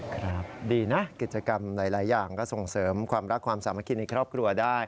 ครับดีนะกิจกรรมหลายอย่างก็ส่งเสริมความรักความสามัคคีในครอบครัวได้